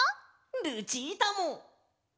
ルチータも！